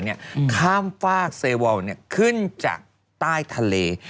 ที่จะค้ำฝากเสวอวนขึ้นจากใต้ทะเล